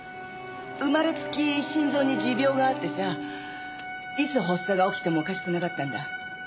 生まれつき心臓に持病があってさいつ発作が起きてもおかしくなかったんだ。